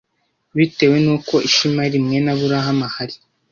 bitewe n uko Ishimayeli mwene aburahamu ahari